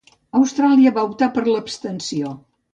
Austràlia va optar per l'abstenció.